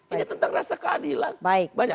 ini tentang rasa keadilan